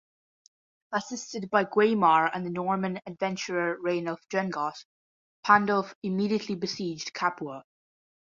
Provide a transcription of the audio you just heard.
Assisted by Guaimar and the Norman adventurer Rainulf Drengott, Pandulf immediately besieged Capua.